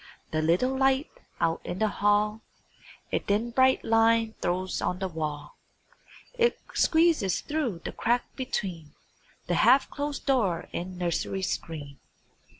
The little light out in the hall A thin bright line throws on the wall; It squeezes thro' the crack between The half closed door and nursery screen.